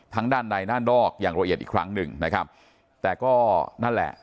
ด้านในด้านนอกอย่างละเอียดอีกครั้งหนึ่งนะครับแต่ก็นั่นแหละ